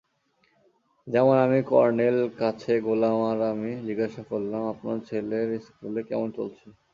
যেমন আমি কর্নেল কাছে গেলাম আর আমি জিজ্ঞাসা করলাম আপনার ছেলের স্কুল কেমন চলছে?